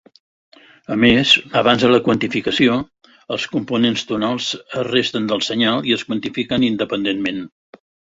A més, abans de la quantificació, els components tonals es resten del senyal i es quantifiquen independentment.